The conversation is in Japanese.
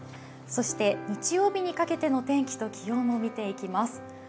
そして日曜日にかけての天気と気温を見ていきます。